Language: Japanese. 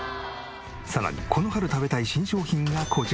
さらにこの春食べたい新商品がこちら。